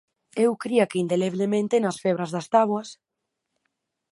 Eu cría que indeleblemente nas febras das táboas...